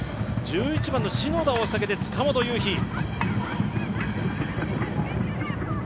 １１番の篠田を下げて塚本悠日。